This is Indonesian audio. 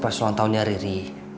surprise ulang tahunnya riri